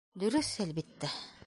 Дөрөҫ, әлбиттә.